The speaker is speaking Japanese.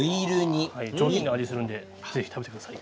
上品な味がするんでぜひ食べてください。